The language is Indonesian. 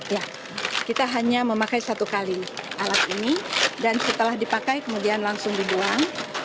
ya kita hanya memakai satu kali alat ini dan setelah dipakai kemudian langsung dibuang